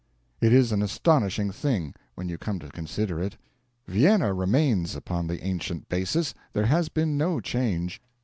It is an astonishing thing, when you come to consider it. Vienna remains upon the ancient basis: there has been no change.